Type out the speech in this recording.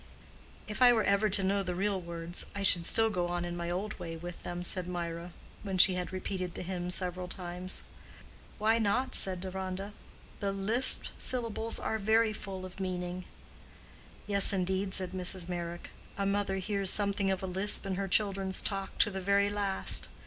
"If I were ever to know the real words, I should still go on in my old way with them," said Mirah, when she had repeated the hymn several times. "Why not?" said Deronda. "The lisped syllables are very full of meaning." "Yes, indeed," said Mrs. Meyrick. "A mother hears something of a lisp in her children's talk to the very last.